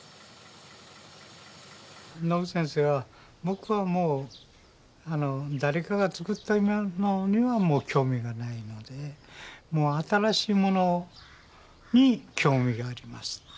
ノグチ先生は僕はもう誰かが作ったものには興味がないので新しいものに興味があります。